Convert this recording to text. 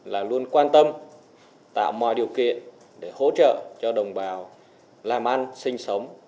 là luôn quan tâm tạo mọi điều kiện để hỗ trợ cho đồng bào làm ăn sinh sống